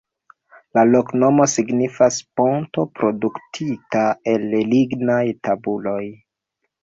La loknomo signifas: "ponto produktita el lignaj tabuloj".